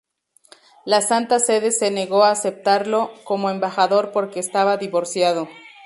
La Santa Sede se negó a aceptarlo como embajador porque estaba divorciado.